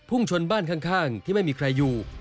ชนบ้านข้างที่ไม่มีใครอยู่